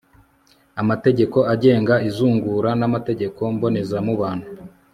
amategeko agenga izungura n'amategeko mbonezamubano